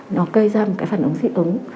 nó gây ra một cái phản ứng dị ứng